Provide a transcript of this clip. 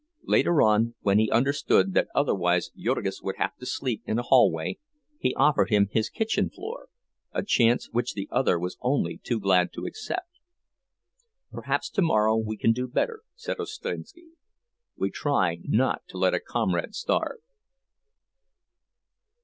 Later on, when he understood that otherwise Jurgis would have to sleep in a hallway, he offered him his kitchen floor, a chance which the other was only too glad to accept. "Perhaps tomorrow we can do better," said Ostrinski. "We try not to let a comrade starve."